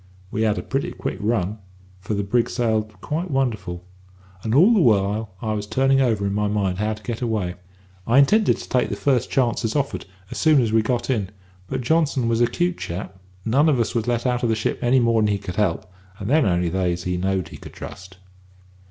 "We had a pretty quick run, for the brig sailed quite wonderful; and all the while I was turning over in my mind how to get away. I intended to take the first chance as offered, as soon as we got in; but Johnson was a 'cute chap, none of us was let out of the ship any more'n he could help, and then only they as he knowed he could trust.